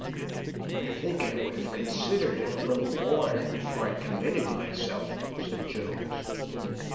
"I think I would have considered it a little more, before I committed myself," said Jones.